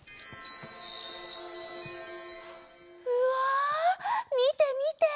うわみてみて。